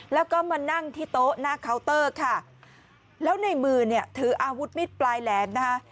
แล้วมือถืออาวุธมิตรปลายแหลงนะะ